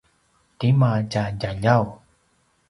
tima tja djaljaw?